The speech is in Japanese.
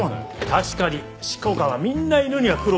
確かに執行官はみんな犬には苦労している。